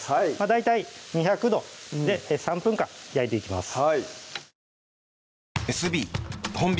大体２００度で３分間焼いていきます